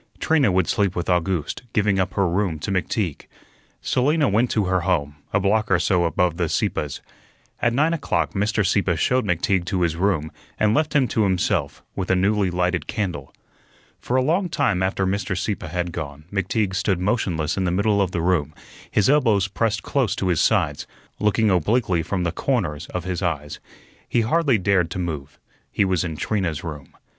Trina would sleep with August, giving up her room to McTeague. Selina went to her home, a block or so above the Sieppes's. At nine o'clock Mr. Sieppe showed McTeague to his room and left him to himself with a newly lighted candle. For a long time after Mr. Sieppe had gone McTeague stood motionless in the middle of the room, his elbows pressed close to his sides, looking obliquely from the corners of his eyes. He hardly dared to move. He was in Trina's room.